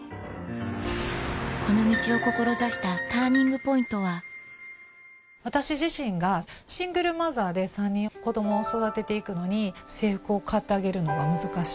この道を志したＴＵＲＮＩＮＧＰＯＩＮＴは私自身がシングルマザーで３人子どもを育てていくのに制服を買ってあげるのが難しい。